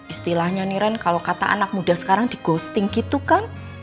istilahnya nih ren kalau kata anak muda sekarang di ghosting gitu kan